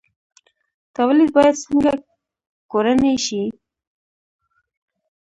تولید باید څنګه کورنی شي؟